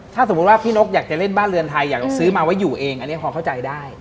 ถ้าสมมุติว่าพี่นกอยากจะเล่นบ้านเรือนไทยอยากซื้อมาไว้อยู่เองอันนี้พอเข้าใจได้